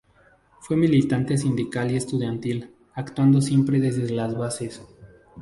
Fue militante sindical y estudiantil, actuando siempre desde las bases.